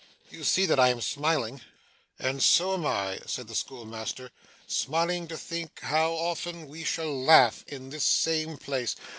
You see that I am smiling.' 'And so am I,' said the schoolmaster; 'smiling to think how often we shall laugh in this same place.